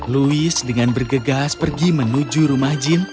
louis dengan bergegas pergi menuju rumah jin